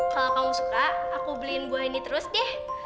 kalau kamu suka aku beliin buah ini terus deh